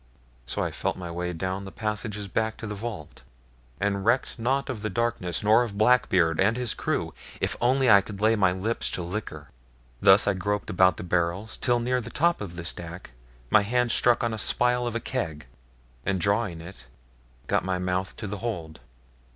So I felt my way down the passage back to the vault, and recked not of the darkness, nor of Blackbeard and his crew, if only I could lay my lips to liquor. Thus I groped about the barrels till near the top of the stack my hand struck on the spile of a keg, and drawing it, I got my mouth to the hold.